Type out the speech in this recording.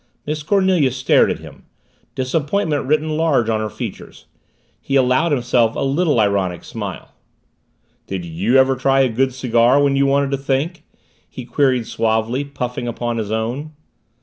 Miss Cornelia stared at him disappointment written large on her features. He allowed himself a little ironic smile. "Did you ever try a good cigar when you wanted to think?" he queried suavely, puffing upon his own.